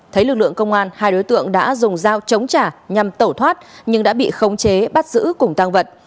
thấy lực lượng công an hai đối tượng đã dùng dao chống trả nhằm tẩu thoát nhưng đã bị khống chế bắt giữ cùng tăng vật